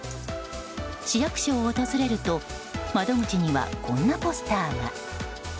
市役所を訪れると窓口にはこんなポスターが。